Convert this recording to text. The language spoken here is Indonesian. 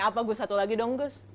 apa gus satu lagi dong gus